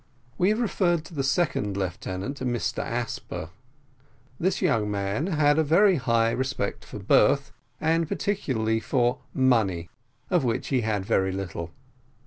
We have referred to the second lieutenant, Mr Asper. This young man had a very high respect for birth, and particularly for money, of which he had very little.